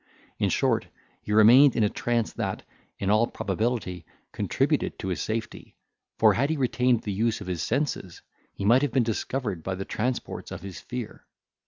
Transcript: In short, he remained in a trance that, in all probability, contributed to his safety; for, had he retained the use of his senses, he might have been discovered by the transports of his fear.